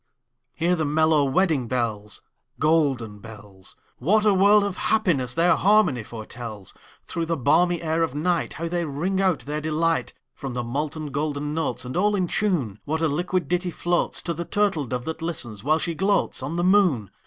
Hear the mellow wedding bells, Golden bells! What a world of happiness their harmony foretells! Through the balmy air of nightHow they ring out their delight! From the molten golden notes, And all in tune, What a liquid ditty floatsTo the turtle dove that listens, while she gloatsOn the moon!